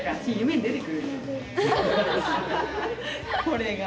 これが。